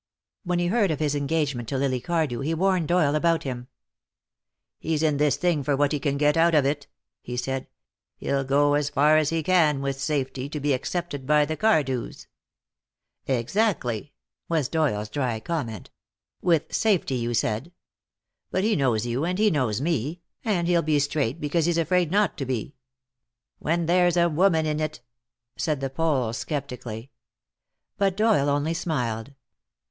When he heard of his engagement to Lily Cardew he warned Doyle about him. "He's in this thing for what he can get out of it," he said. "He'll go as far as he can, with safety, to be accepted by the Cardews." "Exactly," was Doyle's dry comment, "with safety, you said. Well, he knows you and he knows me, and he'll he straight because he's afraid not to be." "When there's a woman in it!" said the Pole, skeptically. But Doyle only smiled.